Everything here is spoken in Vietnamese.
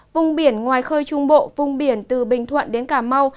vùng biển ngoài khơi trung bộ vùng biển từ bình thuận đến cà mau